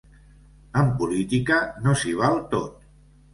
En política no s’hi val tot.